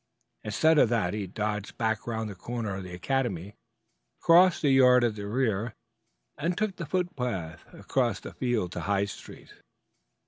Instead of that, he dodged back round the corner of the academy, crossed the yard at the rear, and took the footpath across the field to High Street.